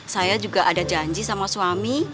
saya juga ada janji sama suami